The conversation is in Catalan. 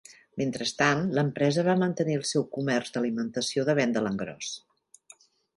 Mentrestant, l'empresa va mantenir el seu comerç d'alimentació de venda a l'engròs.